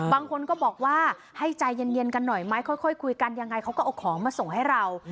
บางคนก็บอกว่าให้ใจเย็นกันหน่อยไหมค่อยคุยกันยังไงเขาก็เอาของมาส่งให้เรา